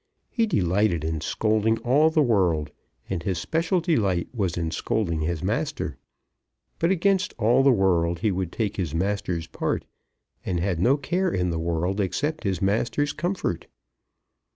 He delighted in scolding all the world, and his special delight was in scolding his master. But against all the world he would take his master's part, and had no care in the world except his master's comfort.